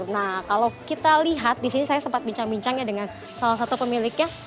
nah kalau kita lihat disini saya sempat bincang bincang ya dengan salah satu pemiliknya